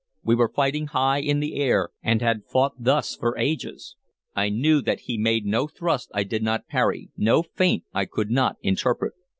We were fighting high in the air, and had fought thus for ages. I knew that he made no thrust I did not parry, no feint I could not interpret.